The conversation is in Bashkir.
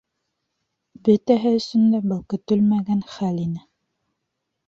Бөтәһе өсөн дә был көтөлмәгән хәл ине.